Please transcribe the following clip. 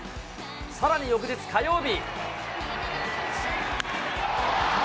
さらに翌日火曜日。